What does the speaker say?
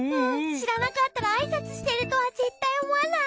しらなかったらあいさつしてるとはぜったいおもわない。